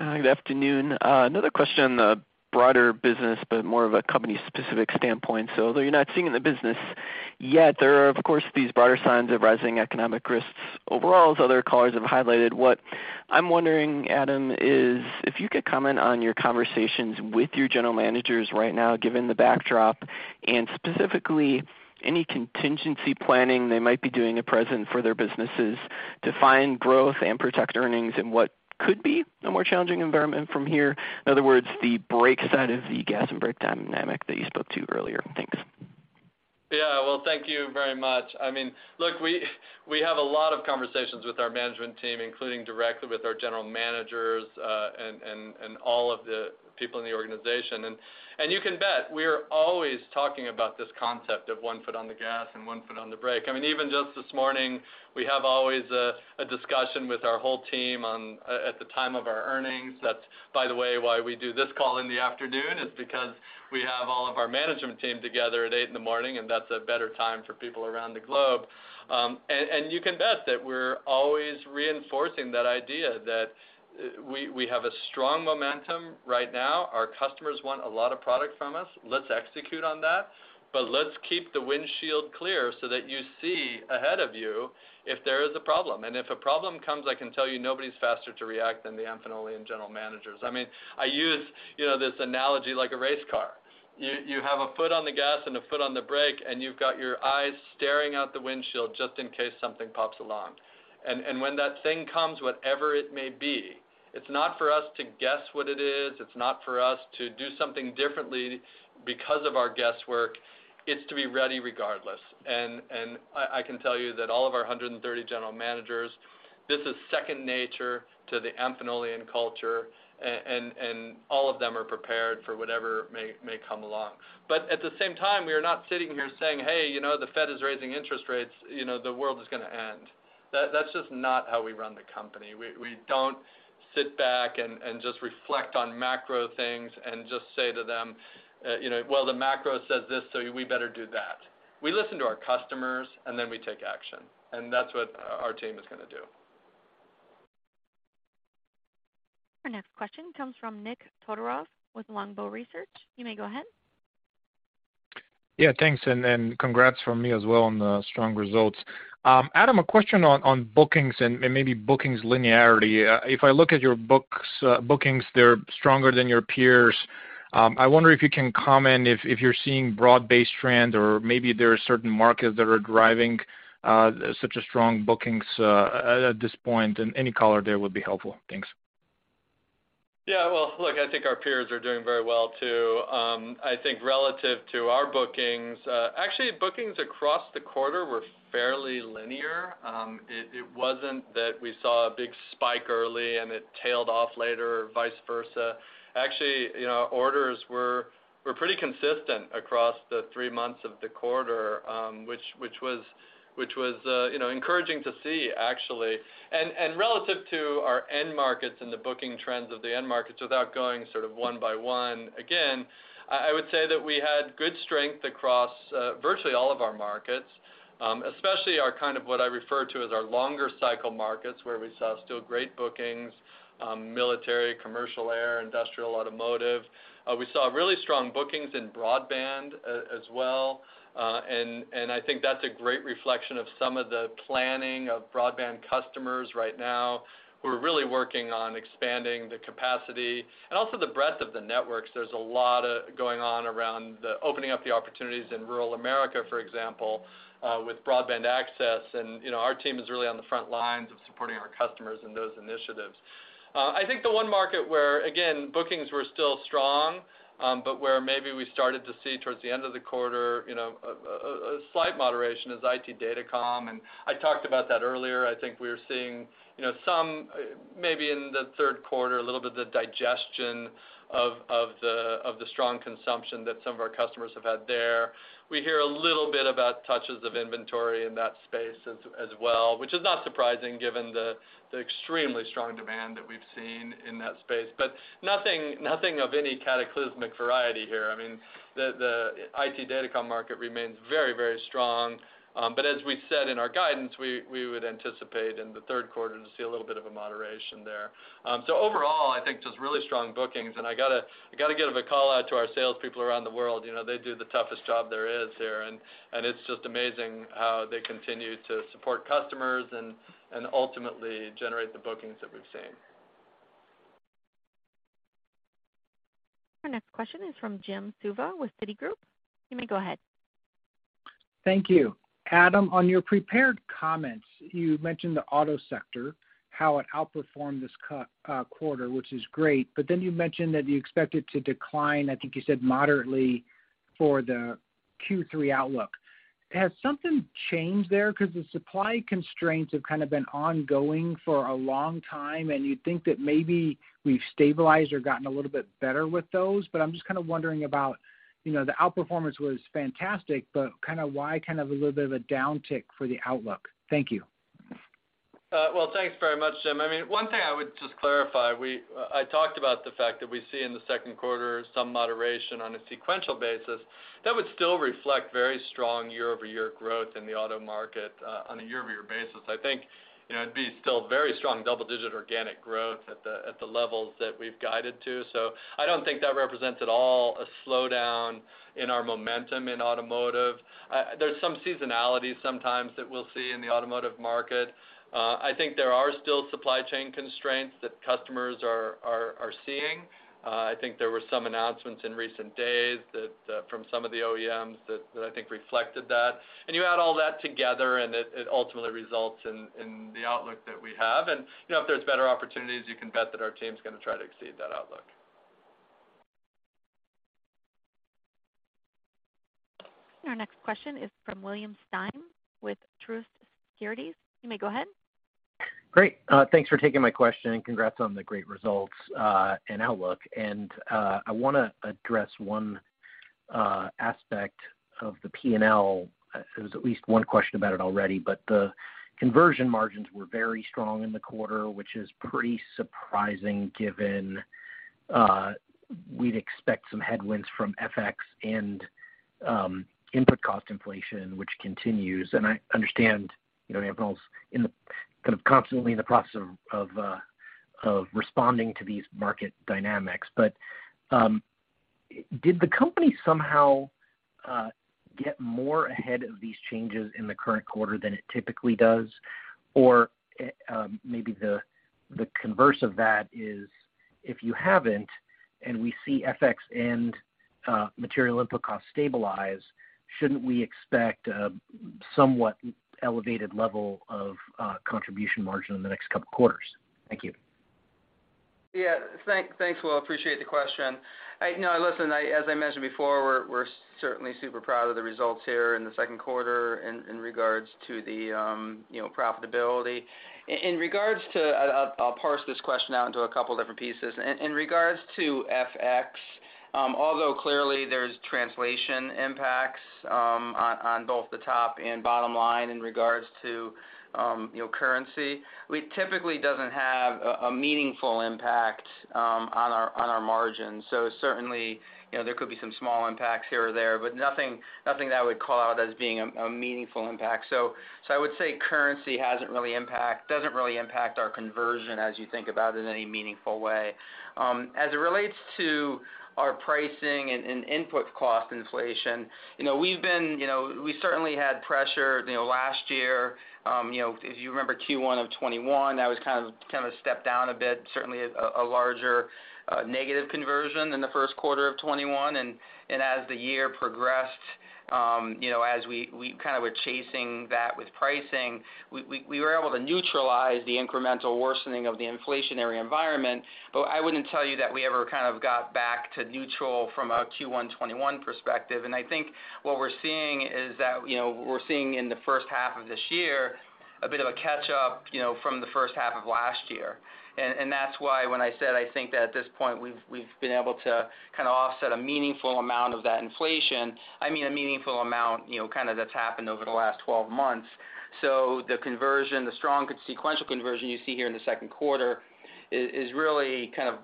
Good afternoon. Another question on the broader business, but more of a company-specific standpoint. Though you're not seeing it in the business, yet there are, of course, these broader signs of rising economic risks overall as other callers have highlighted. What I'm wondering, Adam, is if you could comment on your conversations with your general managers right now, given the backdrop, and specifically, any contingency planning they might be doing at present for their businesses to find growth and protect earnings in what could be a more challenging environment from here. In other words, the brake side of the gas and brake dynamic that you spoke to earlier. Thanks. Yeah. Well, thank you very much. I mean, look, we have a lot of conversations with our management team, including directly with our general managers, and all of the people in the organization. You can bet we're always talking about this concept of one foot on the gas and one foot on the brake. I mean, even just this morning, we have always a discussion with our whole team at the time of our earnings. That's, by the way, why we do this call in the afternoon, is because we have all of our management team together at eight in the morning, and that's a better time for people around the globe. You can bet that we're always reinforcing that idea that we have a strong momentum right now. Our customers want a lot of product from us. Let's execute on that. Let's keep the windshield clear so that you see ahead of you if there is a problem. If a problem comes, I can tell you, nobody's faster to react than the Amphenolian general managers. I mean, I use, you know, this analogy like a race car. You have a foot on the gas and a foot on the brake, and you've got your eyes staring out the windshield just in case something pops along. When that thing comes, whatever it may be, it's not for us to guess what it is. It's not for us to do something differently because of our guesswork. It's to be ready regardless. I can tell you that all of our 130 general managers, this is second nature to the Amphenolian culture, and all of them are prepared for whatever may come along. At the same time, we are not sitting here saying, "Hey, you know, the Fed is raising interest rates, you know, the world is gonna end." That's just not how we run the company. We don't sit back and just reflect on macro things and just say to them, you know, "Well, the macro says this, so we better do that." We listen to our customers, and then we take action, and that's what our team is gonna do. Our next question comes from Nikolay Todorov with Longbow Research. You may go ahead. Yeah, thanks, and congrats from me as well on the strong results. Adam, a question on bookings and maybe bookings linearity. If I look at your bookings, they're stronger than your peers. I wonder if you can comment if you're seeing broad-based trend or maybe there are certain markets that are driving such a strong bookings at this point, and any color there would be helpful. Thanks. Yeah. Well, look, I think our peers are doing very well too. I think relative to our bookings, actually, bookings across the quarter were fairly linear. It wasn't that we saw a big spike early and it tailed off later or vice versa. Actually, you know, orders were pretty consistent across the three months of the quarter, which was, you know, encouraging to see actually. Relative to our end markets and the booking trends of the end markets without going sort of one by one, again, I would say that we had good strength across virtually all of our markets, especially our kind of what I refer to as our longer cycle markets, where we saw still great bookings, military, commercial air, Industrial, automotive. We saw really strong bookings in broadband as well. I think that's a great reflection of some of the planning of broadband customers right now who are really working on expanding the capacity and also the breadth of the networks. There's a lot going on around the opening up the opportunities in rural America, for example, with broadband access. You know, our team is really on the front lines of supporting our customers in those initiatives. I think the one market where again, bookings were still strong, but where maybe we started to see towards the end of the quarter, you know, a slight moderation is IT Datacom, and I talked about that earlier. I think we're seeing, you know, some maybe in the third quarter, a little bit of the digestion of the strong consumption that some of our customers have had there. We hear a little bit about touches of inventory in that space as well, which is not surprising given the extremely strong demand that we've seen in that space. Nothing of any cataclysmic variety here. I mean, the IT Datacom market remains very, very strong. As we said in our guidance, we would anticipate in the third quarter to see a little bit of a moderation there. Overall, I think just really strong bookings, and I gotta give a call-out to our salespeople around the world. You know, they do the toughest job there is here, and it's just amazing how they continue to support customers and ultimately generate the bookings that we've seen. Our next question is from Jim Suva with Citigroup. You may go ahead. Thank you. Adam, on your prepared comments, you mentioned the auto sector, how it outperformed this quarter, which is great. You mentioned that you expect it to decline, I think you said moderately for the Q3 outlook. Has something changed there, 'cause the supply constraints have kind of been ongoing for a long time, and you'd think that maybe we've stabilized or gotten a little bit better with those. I'm just kind of wondering about, you know, the outperformance was fantastic, but kind of why kind of a little bit of a downtick for the outlook? Thank you. Well, thanks very much, Jim. I mean, one thing I would just clarify, I talked about the fact that we see in the second quarter some moderation on a sequential basis that would still reflect very strong year-over-year growth in the auto market, on a year-over-year basis. I think, you know, it'd be still very strong double-digit organic growth at the levels that we've guided to. I don't think that represents at all a slowdown in our momentum in automotive. There's some seasonality sometimes that we'll see in the automotive market. I think there are still supply chain constraints that customers are seeing. I think there were some announcements in recent days that from some of the OEMs that I think reflected that. You add all that together, and it ultimately results in the outlook that we have. You know, if there's better opportunities, you can bet that our team's gonna try to exceed that outlook. Our next question is from William Stein with Truist Securities. You may go ahead. Great. Thanks for taking my question, and congrats on the great results and outlook. I wanna address one aspect of the P&L. There was at least one question about it already, but the contribution margins were very strong in the quarter, which is pretty surprising given we'd expect some headwinds from FX and input cost inflation, which continues. I understand, you know, Amphenol's in the kind of constantly in the process of responding to these market dynamics. Did the company somehow get more ahead of these changes in the current quarter than it typically does? Or maybe the converse of that is, if you haven't and we see FX and material input costs stabilize, shouldn't we expect a somewhat elevated level of contribution margin in the next couple quarters? Thank you. Yeah. Thanks, Will. Appreciate the question. You know, listen, as I mentioned before, we're certainly super proud of the results here in the second quarter in regards to the profitability. In regards to, I'll parse this question out into a couple different pieces. In regards to FX, although clearly there's translation impacts on both the top and bottom line in regards to currency, we typically doesn't have a meaningful impact on our margins. So certainly, you know, there could be some small impacts here or there, but nothing that I would call out as being a meaningful impact. So I would say currency hasn't really doesn't really impact our conversion as you think about it in any meaningful way. As it relates to our pricing and input cost inflation, you know, we've been, you know, we certainly had pressure, you know, last year. If you remember Q1 of 2021, that was kind of a step down a bit, certainly a larger negative conversion in the first quarter of 2021. As the year progressed, you know, as we kind of were chasing that with pricing, we were able to neutralize the incremental worsening of the inflationary environment. I wouldn't tell you that we ever kind of got back to neutral from a Q1 2021 perspective. I think what we're seeing is that, you know, we're seeing in the first half of this year a bit of a catch-up, you know, from the first half of last year. That's why when I said I think that at this point, we've been able to kinda offset a meaningful amount of that inflation. I mean, a meaningful amount, you know, kinda that's happened over the last 12 months. The conversion, the strong sequential conversion you see here in the second quarter is really kind of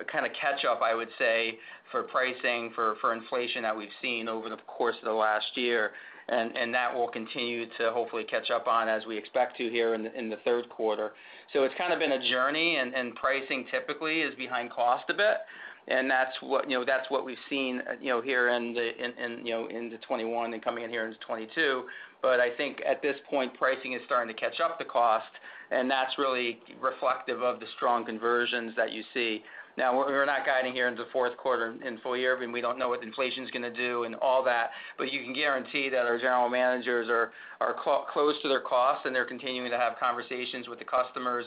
a kinda catch-up, I would say, for pricing for inflation that we've seen over the course of the last year, and that we'll continue to hopefully catch up on as we expect to here in the third quarter. It's kind of been a journey, and pricing typically is behind cost a bit, and that's what, you know, we've seen, you know, here into 2021 and coming in here into 2022. I think at this point, pricing is starting to catch up to cost, and that's really reflective of the strong conversions that you see. Now, we're not guiding here into fourth quarter and full year, I mean, we don't know what inflation's gonna do and all that, but you can guarantee that our general managers are close to their costs, and they're continuing to have conversations with the customers.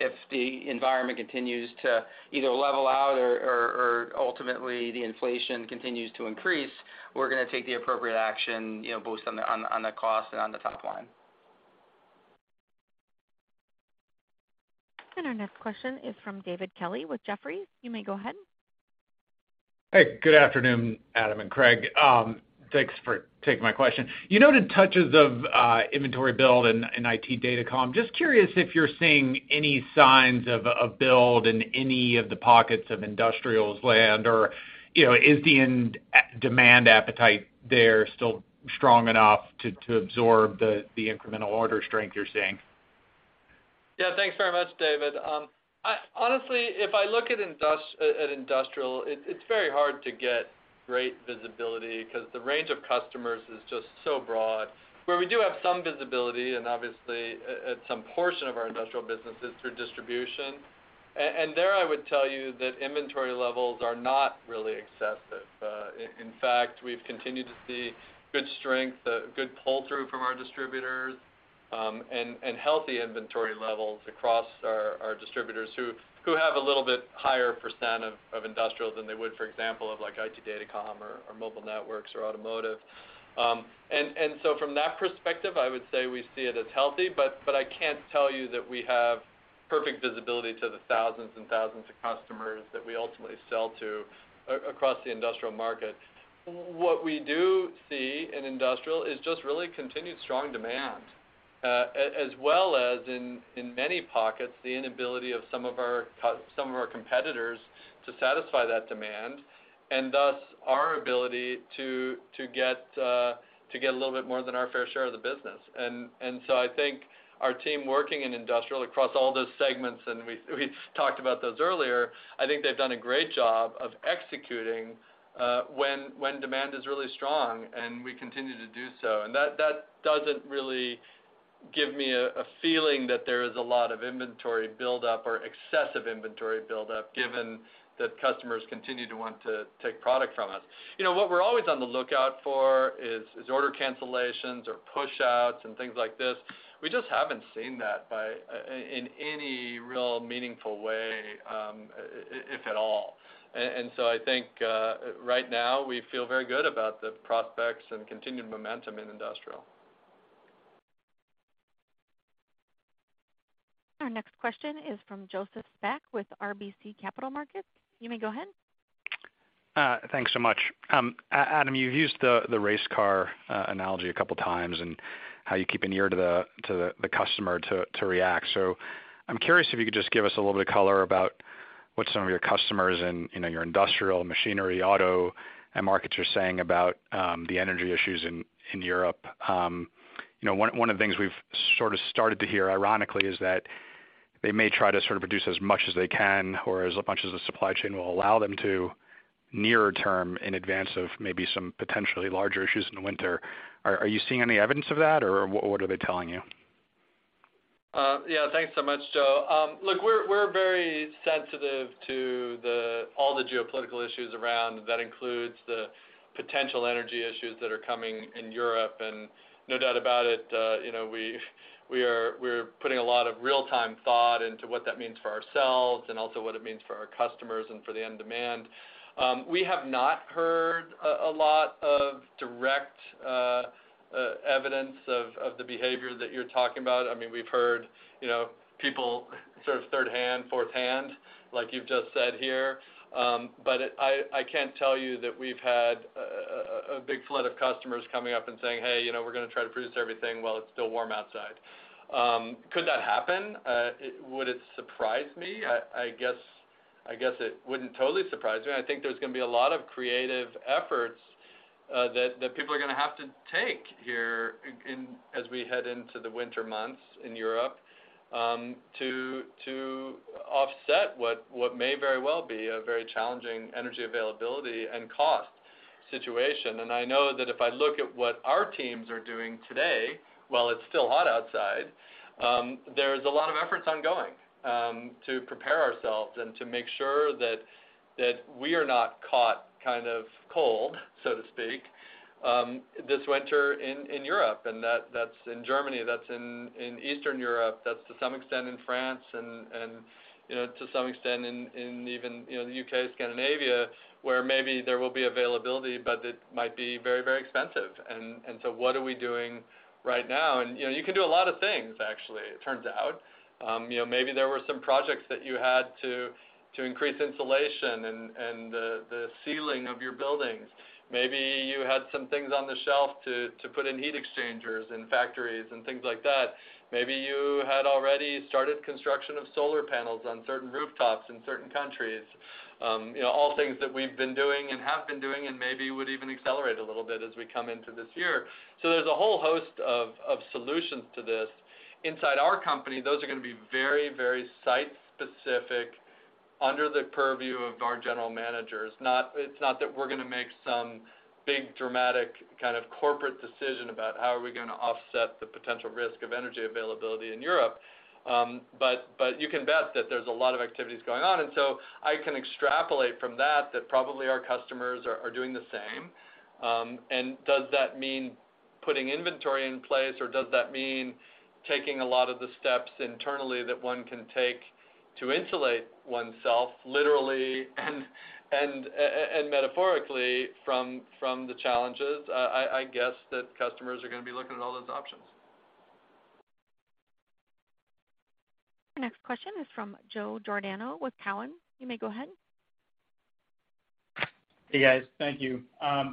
If the environment continues to either level out or ultimately the inflation continues to increase, we're gonna take the appropriate action, you know, both on the cost and on the top line. Our next question is from David Kelley with Jefferies. You may go ahead. Hey, good afternoon, Adam and Craig. Thanks for taking my question. You noted touches of inventory build in IT Datacom. Just curious if you're seeing any signs of build in any of the pockets of industrial land or, you know, is the end demand appetite there still strong enough to absorb the incremental order strength you're seeing? Yeah. Thanks very much, David. I honestly, if I look at Industrial, it's very hard to get great visibility because the range of customers is just so broad. Where we do have some visibility, and obviously at some portion of our Industrial business is through distribution. There I would tell you that inventory levels are not really excessive. In fact, we've continued to see good strength, good pull-through from our distributors, and healthy inventory levels across our distributors who have a little bit higher percent of Industrial than they would, for example of like IT Datacom or mobile networks or automotive. From that perspective, I would say we see it as healthy, but I can't tell you that we have perfect visibility to the thousands and thousands of customers that we ultimately sell to across the Industrial market. What we do see in Industrial is just really continued strong demand, as well as in many pockets, the inability of some of our competitors to satisfy that demand, and thus our ability to get a little bit more than our fair share of the business. I think our team working in Industrial across all those segments, and we talked about those earlier. I think they've done a great job of executing when demand is really strong, and we continue to do so. That doesn't really give me a feeling that there is a lot of inventory build up or excessive inventory build up given that customers continue to want to take product from us. You know, what we're always on the lookout for is order cancellations or push outs and things like this. We just haven't seen that in any real meaningful way, if at all. So I think right now we feel very good about the prospects and continued momentum in Industrial. Our next question is from Joseph Spak with RBC Capital Markets. You may go ahead. Thanks so much. Adam, you've used the race car analogy a couple times and how you keep an ear to the customer to react. I'm curious if you could just give us a little bit of color about what some of your customers in, you know, your industrial machinery, auto and markets are saying about the energy issues in Europe. You know, one of the things we've sort of started to hear ironically is that they may try to sort of produce as much as they can or as much as the supply chain will allow them to nearer term in advance of maybe some potentially larger issues in the winter. Are you seeing any evidence of that or what are they telling you? Yeah. Thanks so much, Joe. Look, we're very sensitive to all the geopolitical issues around. That includes the potential energy issues that are coming in Europe. No doubt about it, you know, we're putting a lot of real time thought into what that means for ourselves and also what it means for our customers and for the end demand. We have not heard a lot of direct evidence of the behavior that you're talking about. I mean, we've heard, you know, people sort of thirdhand, fourthhand, like you've just said here. But I can't tell you that we've had a big flood of customers coming up and saying, "Hey, you know, we're gonna try to produce everything while it's still warm outside." Could that happen? Would it surprise me? I guess it wouldn't totally surprise me. I think there's gonna be a lot of creative efforts that people are gonna have to take here, as we head into the winter months in Europe, to offset what may very well be a very challenging energy availability and cost situation. I know that if I look at what our teams are doing today, while it's still hot outside, there's a lot of efforts ongoing to prepare ourselves and to make sure that we are not caught kind of cold, so to speak, this winter in Europe, and that's in Germany, that's in Eastern Europe, that's to some extent in France, and you know, to some extent in even the UK, Scandinavia, where maybe there will be availability, but it might be very expensive. What are we doing right now? You know, you can do a lot of things, actually, it turns out. You know, maybe there were some projects that you had to increase insulation and the ceiling of your buildings. Maybe you had some things on the shelf to put in heat exchangers in factories and things like that. Maybe you had already started construction of solar panels on certain rooftops in certain countries. You know, all things that we've been doing and have been doing and maybe would even accelerate a little bit as we come into this year. There's a whole host of solutions to this. Inside our company, those are gonna be very, very site specific under the purview of our general managers. It's not that we're gonna make some big dramatic kind of corporate decision about how are we gonna offset the potential risk of energy availability in Europe. You can bet that there's a lot of activities going on. I can extrapolate from that probably our customers are doing the same. Does that mean putting inventory in place, or does that mean taking a lot of the steps internally that one can take to insulate oneself literally and metaphorically from the challenges? I guess that customers are gonna be looking at all those options. Our next question is from Joe Giordano with Cowen. You may go ahead. Hey, guys. Thank you. I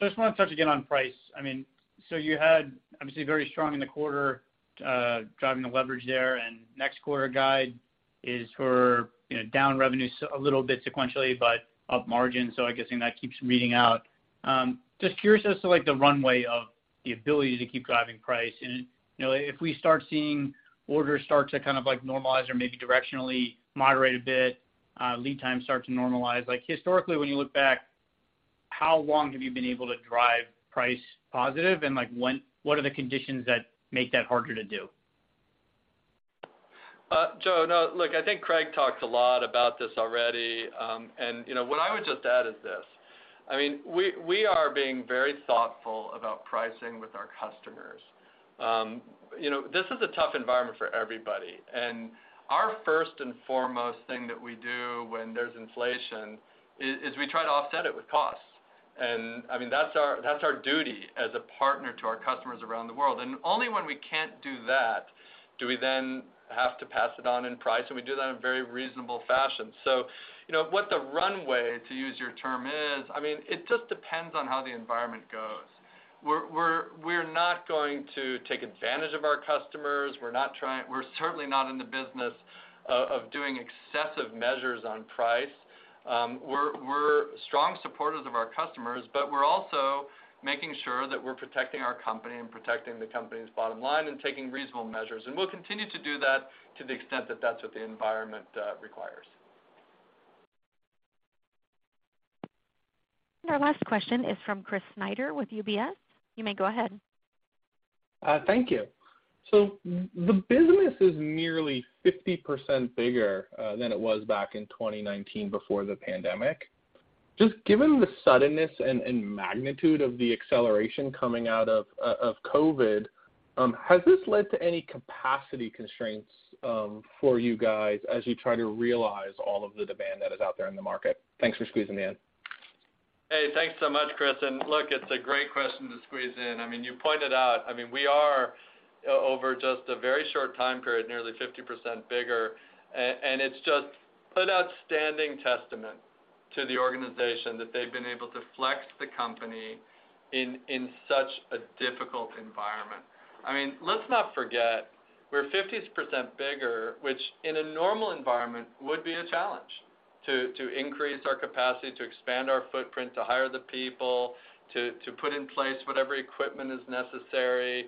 just wanna touch again on price. I mean, you had obviously very strong pricing in the quarter driving the leverage there, and next quarter guide is for, you know, down revenue a little bit sequentially, but up margin. I'm guessing that keeps reading out. Just curious as to, like, the runway of the ability to keep driving price. You know, if we start seeing orders to kind of, like, normalize or maybe directionally moderate a bit, lead time start to normalize, like, historically, when you look back, how long have you been able to drive price positive? Like, what are the conditions that make that harder to do? Joe, no, look, I think Craig talked a lot about this already. You know, what I would just add is this. I mean, we are being very thoughtful about pricing with our customers. You know, this is a tough environment for everybody, and our first and foremost thing that we do when there's inflation is we try to offset it with costs. I mean, that's our duty as a partner to our customers around the world. Only when we can't do that, do we then have to pass it on in price, and we do that in a very reasonable fashion. You know, what the runway, to use your term, is, I mean, it just depends on how the environment goes. We're not going to take advantage of our customers. We're certainly not in the business of doing excessive measures on price. We're strong supporters of our customers, but we're also making sure that we're protecting our company and protecting the company's bottom line and taking reasonable measures. We'll continue to do that to the extent that that's what the environment requires. Our last question is from Chris Snyder with UBS. You may go ahead. Thank you. The business is nearly 50% bigger than it was back in 2019 before the pandemic. Given the suddenness and magnitude of the acceleration coming out of COVID, has this led to any capacity constraints for you guys as you try to realize all of the demand that is out there in the market? Thanks for squeezing me in. Hey, thanks so much, Chris. Look, it's a great question to squeeze in. I mean, you pointed out. I mean, we are over just a very short time period, nearly 50% bigger. It's just an outstanding testament to the organization that they've been able to flex the company in such a difficult environment. I mean, let's not forget, we're 50% bigger, which in a normal environment would be a challenge to increase our capacity, to expand our footprint, to hire the people, to put in place whatever equipment is necessary,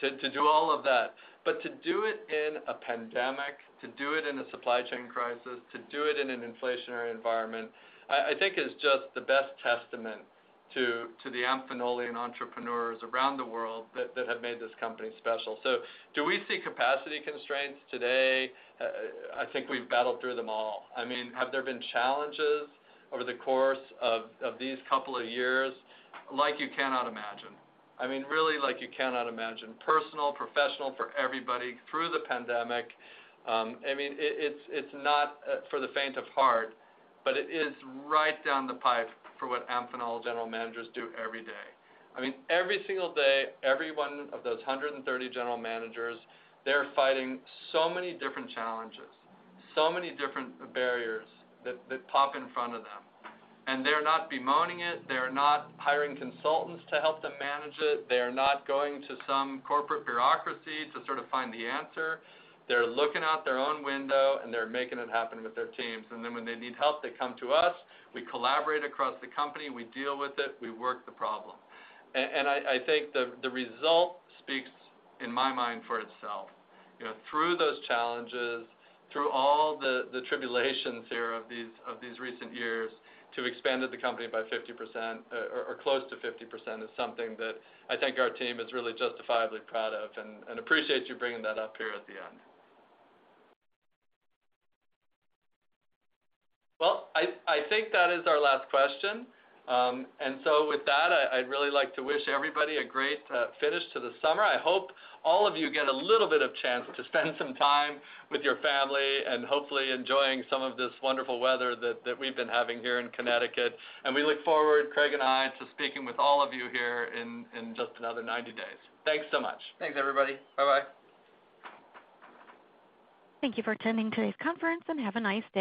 to do all of that. To do it in a pandemic, to do it in a supply chain crisis, to do it in an inflationary environment, I think is just the best testament to the Amphenolian entrepreneurs around the world that have made this company special. Do we see capacity constraints today? I think we've battled through them all. I mean, have there been challenges over the course of these couple of years? Like you cannot imagine. I mean, really like you cannot imagine. Personal, professional, for everybody through the pandemic. I mean, it's not for the faint of heart, but it is right down the pipe for what Amphenol general managers do every day. I mean, every single day, every one of those 130 general managers, they're fighting so many different challenges, so many different barriers that pop in front of them. They're not bemoaning it. They're not hiring consultants to help them manage it. They are not going to some corporate bureaucracy to sort of find the answer. They're looking out their own window, and they're making it happen with their teams. Then when they need help, they come to us, we collaborate across the company, we deal with it, we work the problem. I think the result speaks in my mind for itself. You know, through those challenges, through all the tribulations here of these recent years, to have expanded the company by 50%, or close to 50% is something that I think our team is really justifiably proud of and appreciate you bringing that up here at the end. Well, I think that is our last question. With that, I'd really like to wish everybody a great finish to the summer. I hope all of you get a little bit of chance to spend some time with your family and hopefully enjoying some of this wonderful weather that we've been having here in Connecticut. We look forward, Craig and I, to speaking with all of you here in just another 90 days. Thanks so much. Thanks, everybody. Bye-bye. Thank you for attending today's conference, and have a nice day.